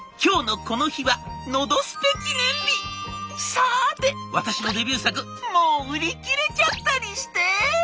「さて私のデビュー作もう売り切れちゃったりして！」。